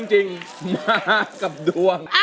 ตัดสินใจให้ดี